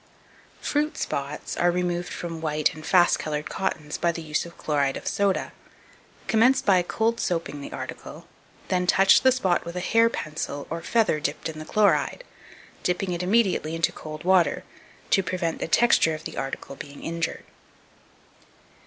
2270. Fruit spots are removed from white and fast coloured cottons by the use of chloride of soda. Commence by cold soaping the article, then touch the spot with a hair pencil or feather dipped in the chloride, dipping it immediately into cold water, to prevent the texture of the article being injured.